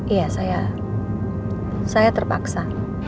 iya saya saya terpaksa